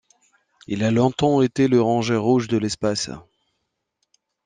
Il a longtemps été le ranger rouge de l'espace.